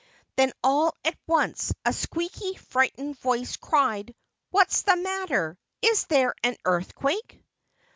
Then, all at once, a squeaky, frightened voice cried, "What's the matter? Is there an earthquake?"